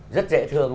rất dễ thương